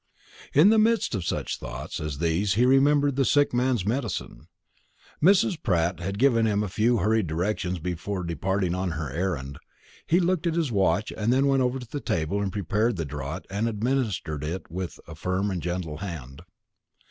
In the midst of such thoughts as these he remembered the sick man's medicine. Mrs. Pratt had given him a few hurried directions before departing on her errand. He looked at his watch, and then went over to the table and prepared the draught and administered it with a firm and gentle hand.